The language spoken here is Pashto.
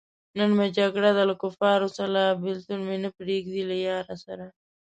نن مې جګړه ده له کفاره سره- بېلتون مې نه پریېږدی له یاره سره